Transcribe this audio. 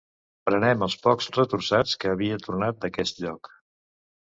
Prenem els pocs retorçats que havia tornat d'aquest lloc.